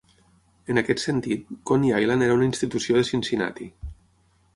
En aquest sentit, Coney Island era una institució de Cincinnati.